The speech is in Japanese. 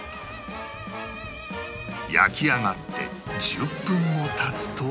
焼き上がって１０分も経つと